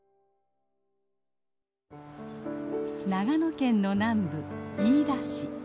長野県の南部飯田市。